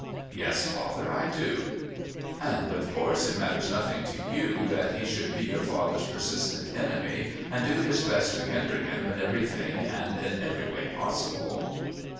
"Yes, father, I do." "And of course it matters nothing to you that he should be your father's persistent enemy and do his best to hinder him in everything and every way possible."